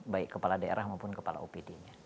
baik kepala daerah maupun kepala opd nya